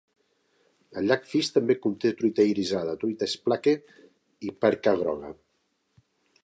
El Llac Fish també conté truita irisada, truita "splake" i perca groga.